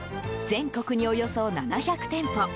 全国におよそ７００店舗